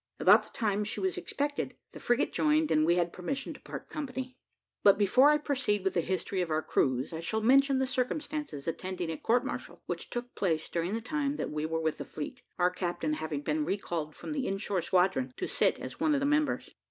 About the time she was expected, the frigate joined, and we had permission to part company. But before I proceed with the history of our cruise, I shall mention the circumstances attending a court martial, which took place during the time that we were with the fleet, our captain having been recalled from the in shore squadron to sit as one of the members.